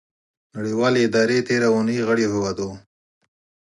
نړیوالې ادارې تیره اونۍ غړیو هیوادو